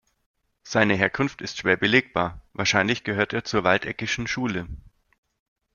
Seine Herkunft ist schwer belegbar; wahrscheinlich gehört er zur Waldeckischen Schule.